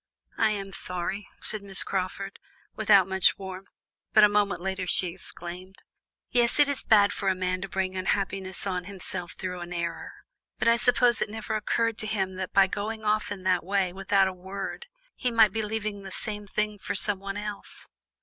"I am sorry," said Miss Crawford, without much warmth, but a moment later she exclaimed: "Yes, it is bad for a man to bring unhappiness on himself through an error, but I suppose it never occurred to him that by going off in that way, without a word, he might be leaving the same thing for someone else.